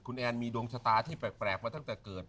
คุณแอนมีดวงชะตาที่แปลกมาตั้งแต่เกิด